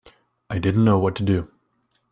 I didn't know what to do.